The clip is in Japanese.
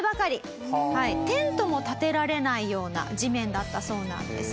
テントも立てられないような地面だったそうなんです。